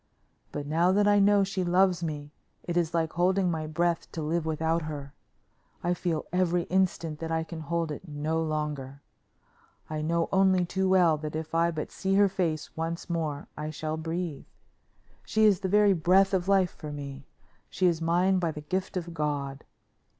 But now that I know she loves me it is like holding my breath to live without her. I feel every instant that I can hold it no longer. I know only too well that if I but see her face once more I shall breathe. She is the very breath of life for me. She is mine by the gift of God.